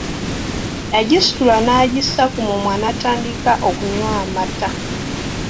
Yagisitula n'agissa ku mumwa natandika okunywa amaata .